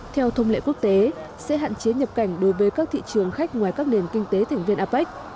theo thông lệ quốc tế sẽ hạn chế nhập cảnh đối với các thị trường khách ngoài các nền kinh tế thành viên apec